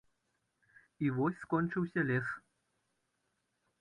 І вось скончыўся лес.